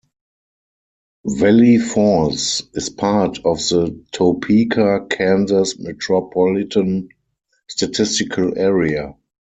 Valley Falls is part of the Topeka, Kansas Metropolitan Statistical Area.